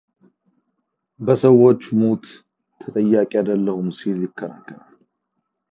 በሰዎቹ ሞት ተጠያቂ አይደለሁም ሲል ይከራከራል።